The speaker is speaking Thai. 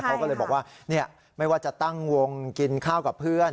เขาก็เลยบอกว่าไม่ว่าจะตั้งวงกินข้าวกับเพื่อน